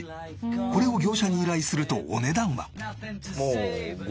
これを業者に依頼するとお値段は。